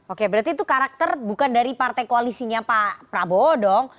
oke berarti itu karakter bukan dari partai koalisinya pak prabowo dong